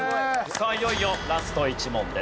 さあいよいよラスト１問です。